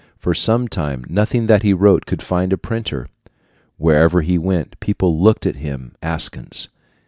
For some time, nothing that he wrote could find a printer. Wherever he went, people looked at him askance.